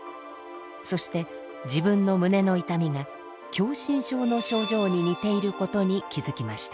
そして自分の胸の痛みが狭心症の症状に似ていることに気付きました。